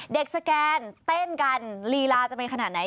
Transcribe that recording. สแกนเต้นกันลีลาจะเป็นขนาดไหน